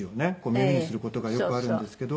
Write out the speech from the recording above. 耳にする事がよくあるんですけど。